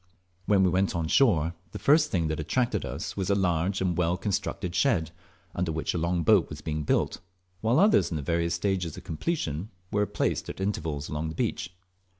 When we went on shore the first thing that attracted us was a large and well constructed shed, under which a long boat was being built, while others in various stages of completion were placed at intervals along the beach.